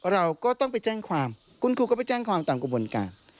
เราก็ต้องไปแจ้งความคุณครูก็ไปแจ้งความตามกระบวนการ